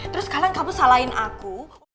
terus sekarang kamu salahin aku